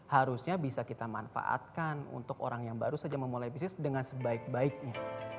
harusnya bisa kita manfaatkan untuk orang yang baru saja memulai bisnis dengan sebaik baiknya